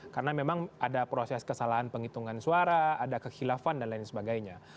karena memang ada proses kesalahan penghitungan suara ada kekhilafan dan lain sebagainya